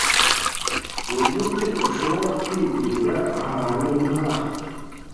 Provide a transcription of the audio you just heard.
Nigute ushobora kwigurira ahantu nkaha?